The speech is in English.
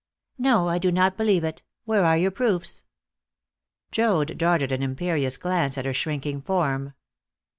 "No; I do not believe it. Where are your proofs?" Joad darted an imperious glance at her shrinking form.